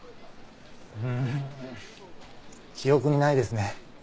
うん記憶にないですね。